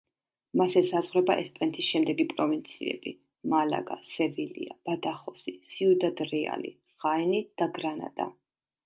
მას ესაზღვრება ესპანეთის შემდეგი პროვინციები: მალაგა, სევილია, ბადახოსი, სიუდად რეალი, ხაენი და გრანადა.